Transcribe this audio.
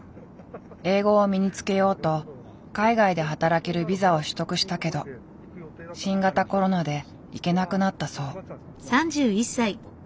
英語を身につけようと海外で働けるビザを取得したけど新型コロナで行けなくなったそう。